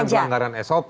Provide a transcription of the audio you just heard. bukan pelanggaran sop